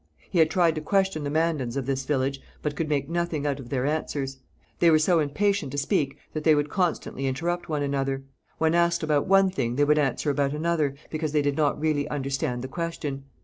He had tried to question the Mandans of this village, but could make nothing out of their answers. They were so impatient to speak that they would constantly interrupt one another; when asked about one thing they would answer about another, because they did not really understand the question.